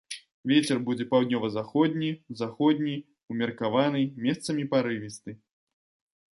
Вецер будзе паўднёва-заходні, заходні, умеркаваны, месцамі парывісты.